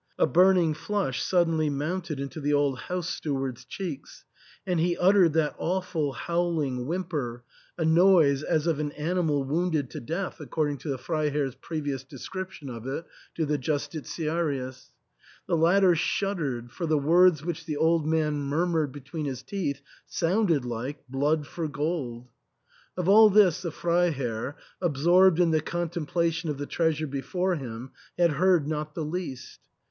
A burning flush suddenly mounted into the old house steward's cheeks, and he uttered that awful howling whimper — a noise as of an animal wounded to death, according to the Frei herr's previous description of it to the Justitiarius. The latter shuddered, for the words which the old man mur mured between his teeth sounded like, "Blood for gold." Of all this the Freiherr, absorbed in the con templation of the treasure before him, had heard not the least.